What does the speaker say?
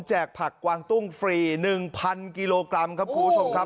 ผักกวางตุ้งฟรี๑๐๐กิโลกรัมครับคุณผู้ชมครับ